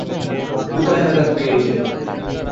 কোথায় আঘাত পেয়েছেন?